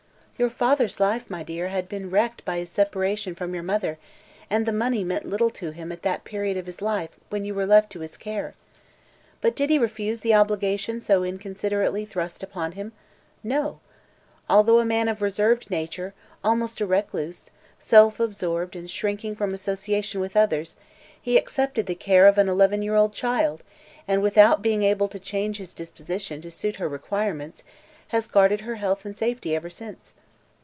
Your father's life, my dear, had been wrecked by his separation from your mother and the money meant little to him at that period of his life when you were left to his care. But did he refuse the obligation so inconsiderately thrust upon him? No. Although a man of reserved nature almost a recluse self absorbed and shrinking from association others, he accepted the care of an eleven year old child and, without being able to change his disposition to suit her requirements, has guarded her health and safety ever since."